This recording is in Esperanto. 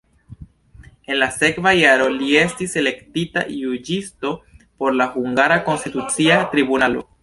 En la sekva jaro li estis elektita juĝisto por la hungara konstitucia tribunalo.